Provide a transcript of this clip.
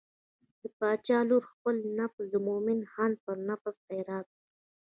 د باچا لور خپل نفس د مومن خان پر نفس خیرات کړ.